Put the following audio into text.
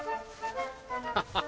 ハハハ。